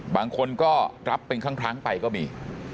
บางคนก็รับเป็นครั้งไปก็มี